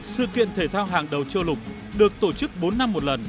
sự kiện thể thao hàng đầu châu lục được tổ chức bốn năm một lần